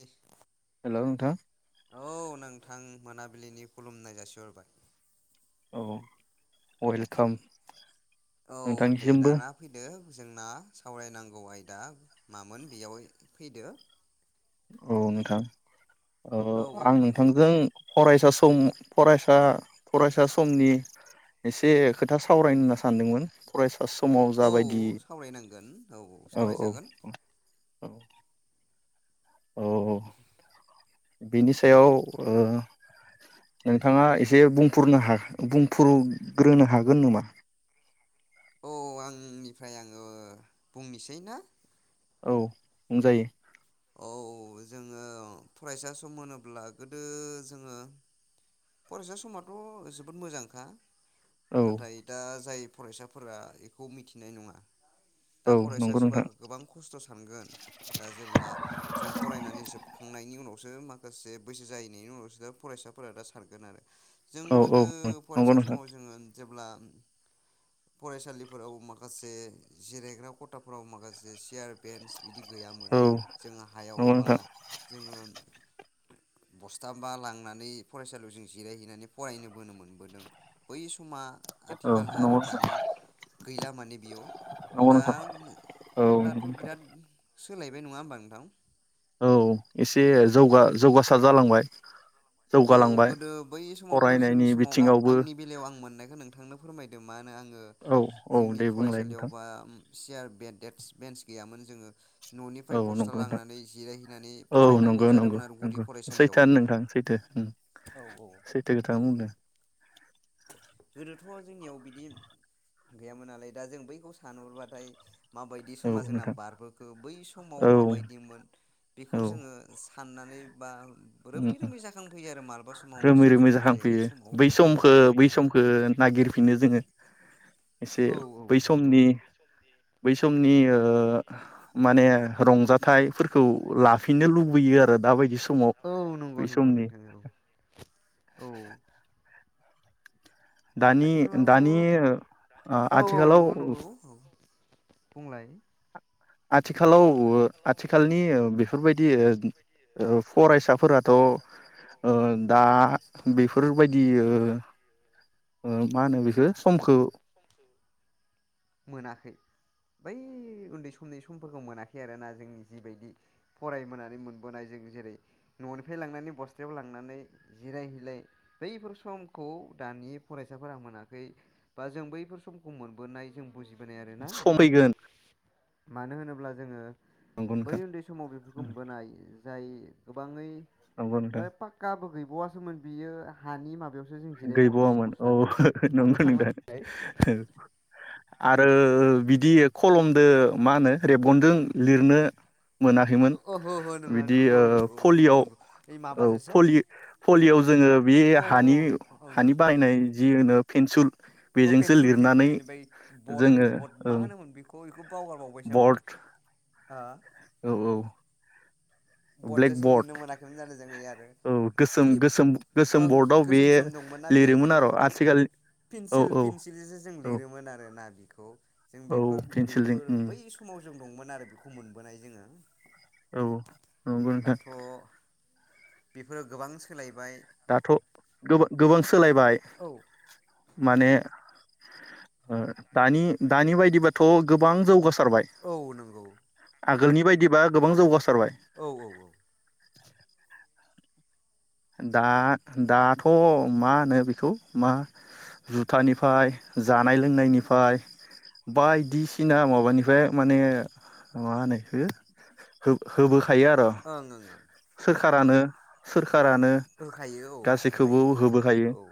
दे hello नोंथां औ नोंथां। मोनाबिलिनि खुलुमनाय जासिहरबाय। औ वेलकाम। औ दे नोंथांनिसिमबो दाना फैदो। जोंना सावरायनांगौ आयदा मामोन बेयाव फैदो। औ नोंथां। औ औ आं नंगौ नंगौ नोंथांजों फरायसा सम फरायसा फरायसा समनि एसे खोथा सावरायनो होनना सानदोंमोन फरायसा समाव औ जाबायदि औ औ औ। औ। औ बेनि सायाव नोंथाङा एसे बुंफोरनो बुंफ्रुग्रोनो हागोन नामा? औ आंनिफ्राय आङो बुंनोसैना। औ बुंजायो। औ जोङो फरायसा सम होनोब्ला गोदो जोङो फरायसा समाथ' जोबोद मोजांखा। औ नाथाय दा जाय फरायसाफोरा बेखौ मिथिनाय नङा। दा औ फरायसा नंगौ सोरबा नोंथां गोबां खस्थ' सानगोन दा जेब्ला जों फरायनानै जोबखांनायनि उनावसो माखासे बैसो जाहैनायनि उनावसो दा फरायसाफोरा दा सानगोन आरो। जों औ औ गोदो नंगौ फरायसा नोंथां समाव जोङो जेब्ला फरायसालिफोराव माखासे जिरायग्रा खथाफोराव माखासे सियार, बेन्स बिदि गैयामोन। औ जोङो हायाव नंगौ बा नोंथां जोङो बस्था लांनानै फरायसालियावजों जिराय हैनानै फरायबोनो मोन बोदों बै समा औ आथिखाल नंगौ आरो दानि गैला माने बेयाव नंगौ दा नोंथां दाथ' औ बिराद सोलायबाय नङा होमबा नोंथां? औ एसे जौगा जौगासार जालांबाय। औ जौगालांबाय गोदो बै समावथ' जोंनि फरायनायनि समाव औ बिथिङावबो आंनि बेलायाव आं मोननायखौ नों थांनो फोरमायदों मानो आं। औ औ दे बुंलाय नोंथां। सियार, बेन्स गैयामोन जोङो न'निफ्राय औ बस्था नंगौ नोंथां लांनानै जिरायहैनानै औ फरायनांगौ नंगौ नंगौ जादोंमोन आरो नंगौ गुदि फरायसालियाव। सैथोआनो नोंथां सैथो औ औ सैथो खोथा बुंदों। गोदोथ' जोंनियाव बिदि गैयामोन नालाय दा जों बैखौ सानहरबाथाय मा बायदि औ समा जोंना नोंथां बारबोखो बै समाव औ मा बायदिमोन औ बेखौ जोङो साननानै बा उम रोमै उम रोमै जाखांफैयो आरो मालाबा समाव रोमै निजोम रोमै समाव जिरायनाय जाखांफैयो समाव बै बैफोर बा समखौ बै समखो नागिरफिनो जोङो। एसे औ औ बै नंगौ समनि बै समनि माने रंजाथाइफोरखौ लाफिननो लुबैयो आरो दा बायदि समाव औ नंगौ बै नंगौ समनि [inaudible] नोंथां औ औ दानि आथिखालावथ' दानि औ औ आथिखालाव नंगौ नंगौ औ बुंलाय आथिखालाव ओ आथिखालनि ओ बेफोरबायदि ओ फरायसाफोरा थ' दा बेफोरबायदि ओ ओ मा होनो बेखो समखो मोनाखै बै उन्दै समनि समफोरखौ मोनाखै आरोना जों जिबायदि फरायबोनानै मोनबोनाय जों जेरै न'निफ्राय लांनानै बस्थायायाव लांनानै जिरायहैलाय बैफोर समखौ दानि फरायसाफोरा मोनाखै बा जों बैफोर समखौ मोनबोनाय जों बुजि बोनाय आरो ना सम नोंथां। फैगोन मानो होनोब्ला जोङो नंगौ बै नोंथां उन्दै समाव बेफोरखौ बोनाय जाय गोबाङै नंगौ ओ नोंथां पकाबो गैबावा बआसोमोन बियो हानि माबायाव गैबावामोन औ नंगौ नोंथांमोन नोंथां औ आरो बिदि खलमदो मा होनो रेबगनजों लिरनो मोनाखैमोन ओहो ओहो नङा बिदि नों औ नंगौ औ नंगौ पलियआव नंगौ ओइ औ माबाजोंसो पलि पलिय'आव जोंङो बे अ हानि ओं हानि बानायनाय जे मोनो पेन्सिुल औ पेनसुल- पेनसुल इनिफायबद बंद जोङो बद मा ओं होनोमोन बेखौ गयखौ बावगारबावबायसो आंबो बर्ड आ औ -औ ब्लेक बर्डजोंसो लिरनो बर्ड मोनाखैमोन जानो जो आरो औ गोसोम खिलिप गोसोम गोसोम ओं बर्डआव बे गोसोम सम दंमोन ना बेहाय लिरोमोन जोङो आरो आथिखाल औ पन्सिल औ पन्सिलजोंसो जों औ लिरोमोन आरोना खौ जों औ पेन्सिलजों बेफोर-बेफोर उम बै समाव जों दंमोन आरो बेखौ मोनबोनाय जोंङो औ नंगौ नोंथां बेफोराव गोबां सोलायबाय दाथ गोबा-गोबां सोलायबाय औ माने ओ दानि दानिबायदिबाथ गोबां जौगा खारबाय औ नंगौ आगोलनि बायदिबा गोबां जौगास औ-औ-औ दा दाथ मा होनो बेखौ मा जुथानिफाय जानाय लोंनायनिफाय बायदिसिना माबानिफाय माने मा होनो इखो होबोखायो आरअ ओं ओं सोखारानो [unintelligible] नो होखायो औ गासैखौबो होखायो [unintelligible] होखायो औ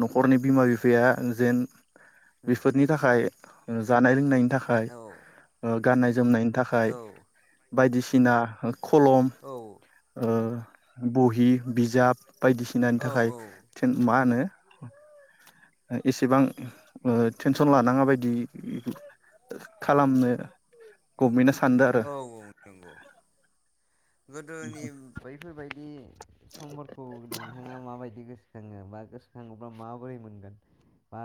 नखरनि बिमा बिफाया जेन उम बेफोरनि थाखाय जानाय लोंनायनि थाखाय औ ओ गाननाय जोमनायनि थाखाय औ बायदि सिना खलम ओ बहि बिजाब बायदिसिनानि औ थाखाय औ थेन मा होनो एसेबां ओ टेनसन लानाङा बायदि खालामनो गभमेन्ट औ औ नंगौ गोदोनि बैफोरबायदि समफोरखौ नोंथाङा माबायदि गोसोखाङो बा गोसोखाङोबा माबोरै मोनगोन बा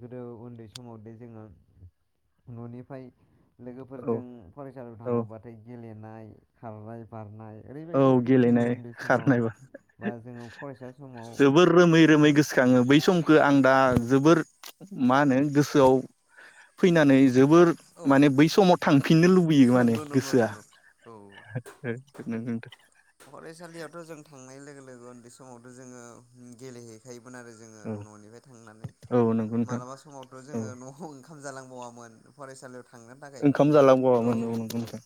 गोदो उन्दै समाव दे जोङो ननिफ्राय औ लोगोफोरजों फरायसालियाव औ थाङोबाथाय गेले खारनाय खारबाय बारनाय औ गेलेनाय समाव खारनायबो बा जोङो फरायसा समाव जोबोर रोमै रोमै गोसोखाङो बै समख आं दा जोबोर मा होनो गोसोआव फैनानै जोबोर औ माने बै समाव थांफिननो लुबैयो माने नंगौ नंगौ गोसोआ। नंगौ औ नोंगो बि फरायसालियावथ' जों थांनाय लोगो लोगो उन्दै समावथ' जोङो गेलेहैखायो मोन जोङो न'निफ्राय थांनानै औ नंगौ नोंथां मालाबा समावथ' औ जोङो न'आव ओ खाम जालांबावामोन फरायसालियाव थ ओंखाम जालांबावा औ नोंगौ नोंथां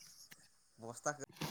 बबस्थाखौ